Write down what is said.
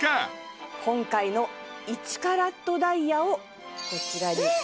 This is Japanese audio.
今回の１カラットダイヤをこちらに。